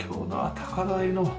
高台の。